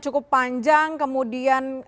cukup panjang kemudian